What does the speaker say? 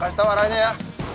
kasih tau arahnya ya